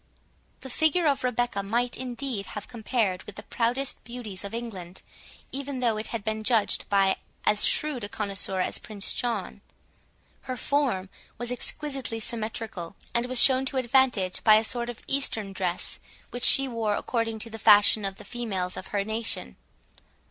The figure of Rebecca might indeed have compared with the proudest beauties of England, even though it had been judged by as shrewd a connoisseur as Prince John. Her form was exquisitely symmetrical, and was shown to advantage by a sort of Eastern dress, which she wore according to the fashion of the females of her nation.